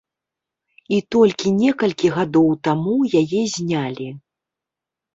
І толькі некалькі гадоў таму яе знялі.